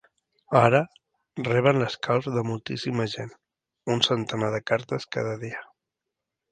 Ara, reben l’escalf de moltíssima gent: un centenar de cartes cada dia.